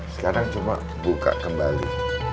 sekarang cuma buka kembali